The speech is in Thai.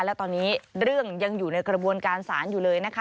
และตอนนี้เรื่องยังอยู่ในกระบวนการศาลอยู่เลยนะคะ